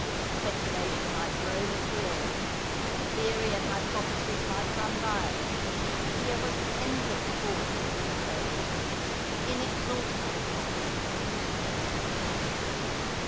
Speculation might rove at will, theory and hypothesis might run riot. Here was endless talk for dinner tables inexhaustible copy for the newspaper.